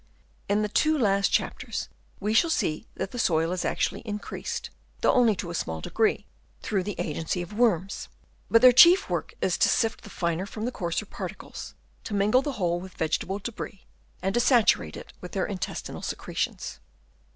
In the two last chapters we shall see that the soil is actually increased, though only to a small degree, through the agency of worms ; but their chief work is to sift the finer from the coarser particles, to mingle the whole with, vegetable debris, and to saturate it with their intestinal secretions.